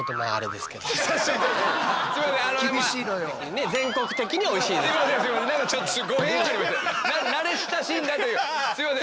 すいません。